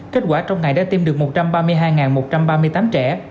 kết quả trong ngày đã tiêm được một trăm ba mươi hai một trăm ba mươi tám trẻ